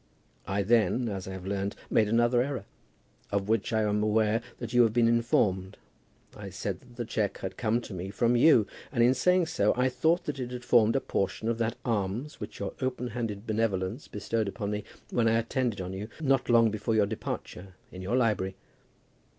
I then, as I have learned, made another error, of which I am aware that you have been informed. I said that the cheque had come to me from you, and in saying so, I thought that it had formed a portion of that alms which your open handed benevolence bestowed upon me when I attended on you, not long before your departure, in your library.